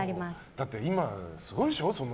だって今、すごいでしょ。